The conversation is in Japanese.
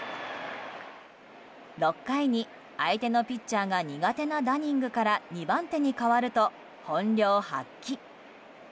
６回に、相手のピッチャーが苦手なダニングから２番手に代わると、本領発揮。